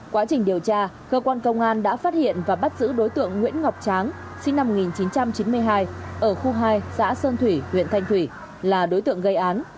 quá trình điều tra cơ quan công an đã phát hiện và bắt giữ đối tượng nguyễn ngọc tráng sinh năm một nghìn chín trăm chín mươi hai ở khu hai xã sơn thủy huyện thanh thủy là đối tượng gây án